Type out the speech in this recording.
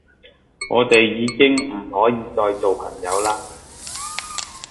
我哋已經唔可以再做朋友啦